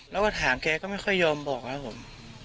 แล้วก็ถามแกก็ไม่ค่อยยอมบอกครับผม